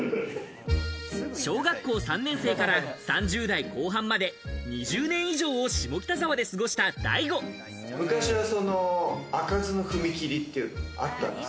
小学校３年生から３０代後半まで２０年以上を下北沢で過ごし昔は開かずの踏切っていうのがあったんです。